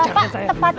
nah kan tadi bapak liat